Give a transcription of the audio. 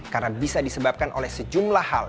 karena bisa disebabkan oleh sejumlah hal